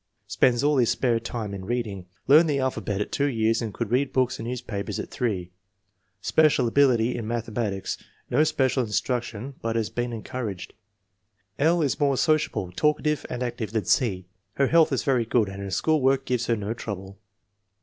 Spends all his spare time in reading. Learned the alphabet at years and could read books and news papers at 8. Special ability in mathematics. No special instruction, but has been encouraged. L. is more sociable, talkative, and active than C. Her health is very good and her school work gives her no trouble.